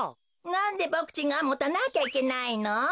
なんでボクちんがもたなきゃいけないの？